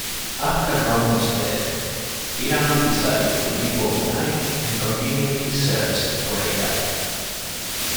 After Romnod's death, Iranon decides to leave Oonai and continue his search for Aira.